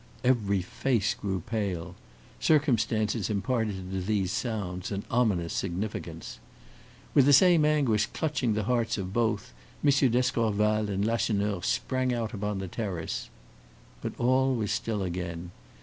Every face grew pale. Circumstances imparted to these sounds an ominous significance. With the same anguish clutching the hearts of both, M. d'Escorval and Lacheneur sprang out upon the terrace. But all was still again.